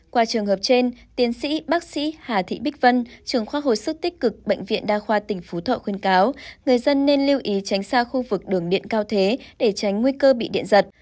qua trường hợp trên tiến sĩ bác sĩ hà thị bích vân trường khoa hồi sức tích cực bệnh viện đa khoa tỉnh phú thọ khuyên cáo người dân nên lưu ý tránh xa khu vực đường điện cao thế để tránh nguy cơ bị điện giật